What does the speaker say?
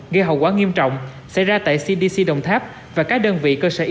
gây hậu quả nghiêm trọng xảy ra tại cdc đồng tháp và các đơn vị cơ sở y tế khác trên địa bàn